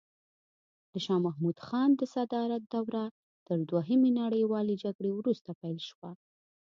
د شاه محمود خان د صدارت دوره تر دوهمې نړیوالې جګړې وروسته پیل شوه.